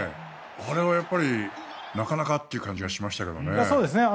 あれはやっぱりなかなかという感じがしました。